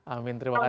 amin terima kasih